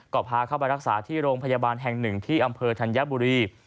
ก็พาเข้าไปรักษาที่โรงพยาบาลแห่งหนึ่งที่อำเภอธัญบุรี